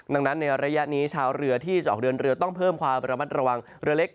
ดังนั้นในระยะนี้ชาวเรือที่จะออกเดินเรือต้องเพิ่มความระมัดระวังเรือเล็ก